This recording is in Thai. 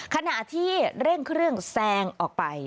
ขณะที่เร่งเครื่องแซงออกไป